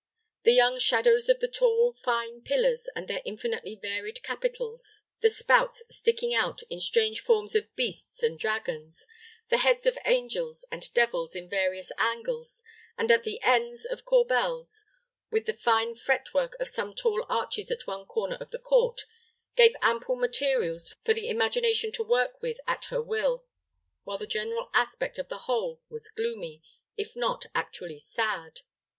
The cold shadows of the tall, fine pillars, and their infinitely varied capitals; the spouts sticking out in strange forms of beasts and dragons; the heads of angels and devils in various angles, and at the ends of corbels, with the fine fret work of some tall arches at one corner of the court, gave ample materials for the imagination to work with at her will; while the general aspect of the whole was gloomy, if not actually sad.